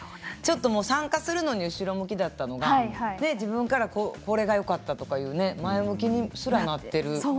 参加するのに後ろ向きだったのが自分からこれがよかったみたいな前向きにすらなって。